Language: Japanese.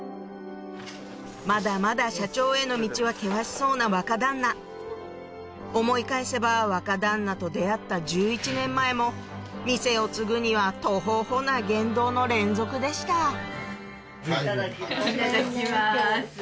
まだまだ社長への道は険しそうな若旦那思い返せば若旦那と出会った１１年前も店を継ぐにはトホホな言動の連続でしたいただきます。